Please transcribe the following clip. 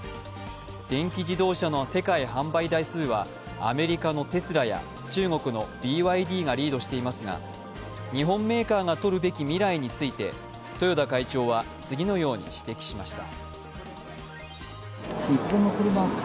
電気自動車の世界販売台数は、アメリカのテスラや、中国のＢＹＤがリードしていますが、日本メーカーがとるべき未来について豊田会長は次のように指摘しました。